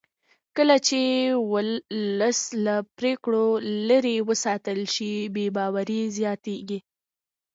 کله چې ولس له پرېکړو لرې وساتل شي بې باوري زیاتېږي